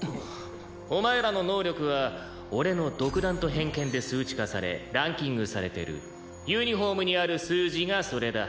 「お前らの能力は俺の独断と偏見で数値化されランキングされてる」「ユニホームにある数字がそれだ」